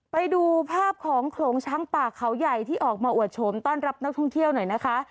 ไปดูภาพของโขลงช้างป่าเขาใหญ่ที่ออกมาอวดโฉมต้อนรับนักท่องเที่ยวหน่อยนะคะ